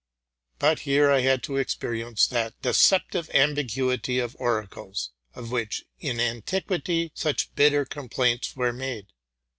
But here I had to expe rience that deceptive ambiguity of oracles, of which, in antiq uity, such bitter complaints were made.